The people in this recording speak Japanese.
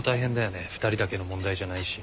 ２人だけの問題じゃないし。